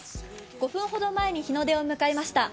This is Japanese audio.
５分ほど前に日の出を迎えました。